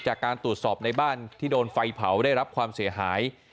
จากการตรวจสอบในบ้านที่โดนไฟเผาได้รับความเสียหาย